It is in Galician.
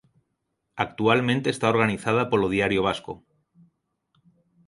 Actualmente está organizada polo "Diario Vasco".